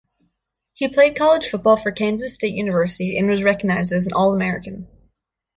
He played college football for Kansas State University and was recognized as an All-American.